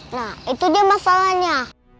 nah itu dia masalahnya